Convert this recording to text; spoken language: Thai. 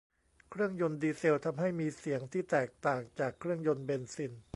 เครื่องยนต์ดีเซลทำให้มีเสียงที่แตกต่างจากเครื่องยนต์เบนซิน